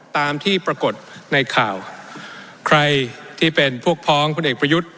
ตามที่ปรากฏในข่าวใครที่เป็นพวกพ้องพลเอกประยุทธ์